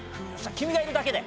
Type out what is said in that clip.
『君がいるだけで』。